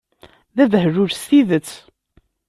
D abehlul s tidet!